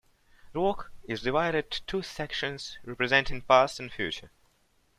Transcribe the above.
The work is divided two sections representing past and future.